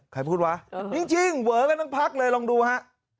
ใครพูดวะจริงเวอกันทั้งพักเลยลองดูฮะ